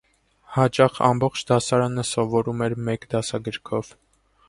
Հաճախ ամբողջ դասարանը սովորում էր մեկ դասագրքով։